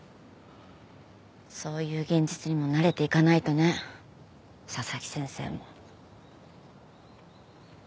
そういう現実にも慣れていかないとね佐々木先生も。